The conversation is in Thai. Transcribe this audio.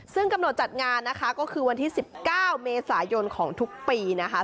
ซึ่งกำหนดจัดงานนะคะก็คือวันที่๑๙เมษายนของทุกปีนะคะ